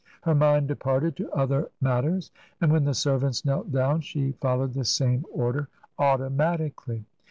Her mind departed to other matters, and when the servants knelt down she followed the same order automatically.